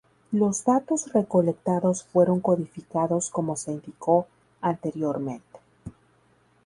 Los datos recolectados fueron codificados como se indicó anteriormente.